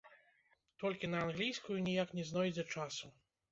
Толькі на англійскую ніяк не знойдзе часу.